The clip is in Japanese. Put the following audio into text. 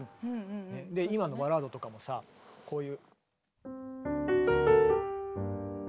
今の「バラード」とかもさこういう。